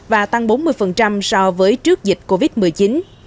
và tăng bốn mươi so với trước dịch covid một mươi chín